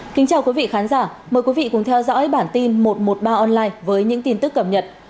kính chào quý vị khán giả mời quý vị cùng theo dõi bản tin một trăm một mươi ba online với những tin tức cập nhật